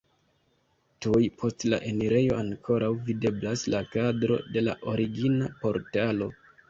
Tuj post la enirejo ankoraŭ videblas la kadro de la origina portalo.